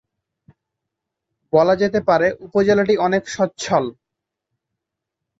বলা যেতে পারে উপজেলাটি অনেক সচ্ছল।